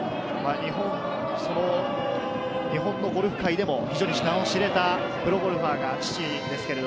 日本のゴルフ界でも非常に名の知れたプロゴルファーが父ですけれど。